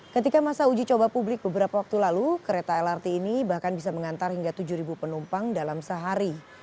ketika masa uji coba publik beberapa waktu lalu kereta lrt ini bahkan bisa mengantar hingga tujuh penumpang dalam sehari